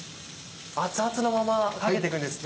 熱々のままかけていくんですね。